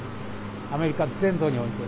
アメリカ全土において。